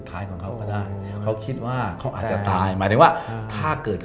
แต่